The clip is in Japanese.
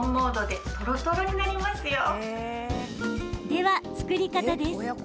では、作り方です。